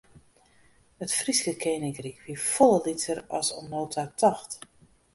It Fryske keninkryk wie folle lytser as oant no ta tocht.